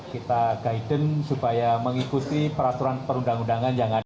kita guidance supaya mengikuti peraturan perundang undangan yang ada